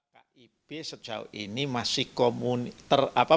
kip sejauh ini masih komunitas